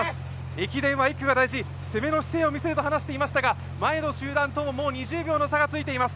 駅伝は１区が大事、攻めの姿勢を見せると話していましたが、前のグループとは２０秒の差がついています。